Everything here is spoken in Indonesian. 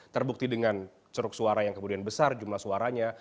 terbukti dengan ceruk suara yang kemudian besar jumlah suaranya